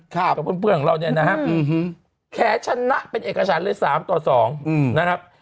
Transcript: กับเพื่อนของเราเนี่ยนะฮะแขชนะเป็นเอกฉันเลย๓ต่อ๒นะครับ